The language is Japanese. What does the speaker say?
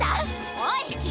おい！